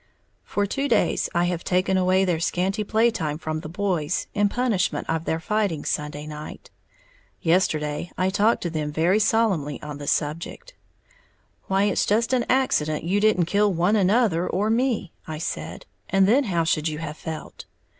_ For two days I have taken away their scanty playtime from the boys in punishment of their fighting Sunday night. Yesterday I talked to them very solemnly on the subject. "Why, it's just an accident you didn't kill one another or me," I said, "and then how should you have felt?"